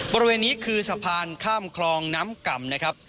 บริเวณนี้คือสะพานข้ามคลองน้ำก่ำนะครับ